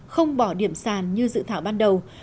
không bỏ điểm sàn như dự thảo ban đầu